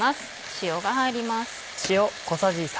塩が入ります。